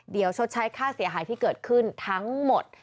เดี๋ยวชดใช้ค่าเสียหายที่เกิดขึ้นทั้งหมด